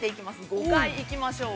５回行きましょう。